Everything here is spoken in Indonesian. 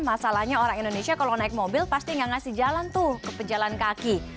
masalahnya orang indonesia kalau naik mobil pasti nggak ngasih jalan tuh ke pejalan kaki